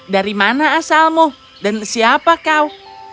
dari mana asalmu dan siapa kau